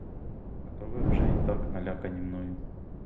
А то ви вже й так налякані мною.